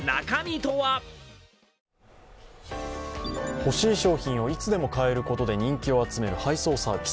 欲しい商品をいつでも買えることで人気を集める配送サービス。